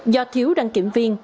do thiếu đăng kiểm viên